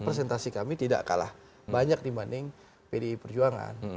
presentasi kami tidak kalah banyak dibanding pdi perjuangan